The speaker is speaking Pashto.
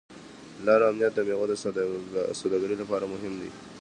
د لارو امنیت د میوو د سوداګرۍ لپاره مهم دی.